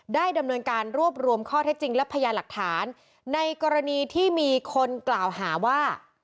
ได้ดำเนินการรวบรวมข้อเท็จจริงและพยานหลักฐานในกรณีที่มีคนกล่าวหาว่า